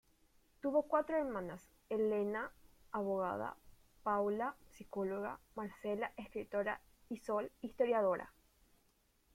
Tuvo cuatro hermanas: Elena, abogada; Paula, psicóloga; Marcela, escritora; y Sol, historiadora.